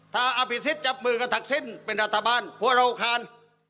ถ้าอภิสิธธิ์จับมือกันทักศิลป์เป็นรัฐบาลเราแคร์